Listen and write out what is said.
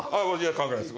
関係ないです